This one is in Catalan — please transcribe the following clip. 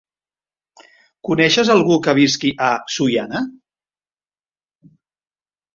Coneixes algú que visqui a Sollana?